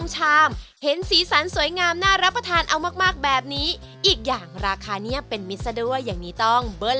ตามสมัยหนังหมูมีค่ามากขึ้นนะครับ